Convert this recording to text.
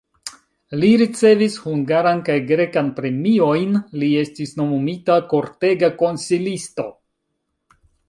Li ricevis hungaran kaj grekan premiojn, li estis nomumita kortega konsilisto.